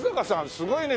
すごいね。